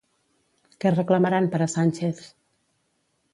Què reclamaran per a Sànchez?